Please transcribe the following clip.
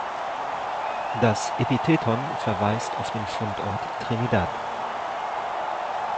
Das Epitheton verweist auf den Fundort Trinidad.